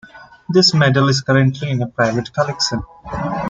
This medal is currently in a private collection.